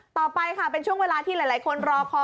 ต่อไปค่ะเป็นช่วงเวลาที่หลายคนรอคอ